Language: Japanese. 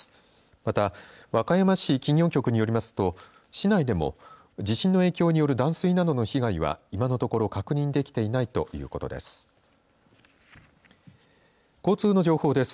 また和歌山市企業局によりますと市内でも地震の影響による断水などの被害は今のところ確認できていないというとことです。